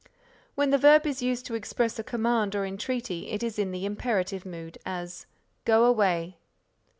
When the verb is used to express a command or entreaty it is in the Imperative Mood as, "Go away."